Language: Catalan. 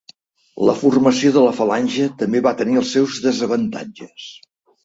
La formació de la falange també va tenir els seus desavantatges.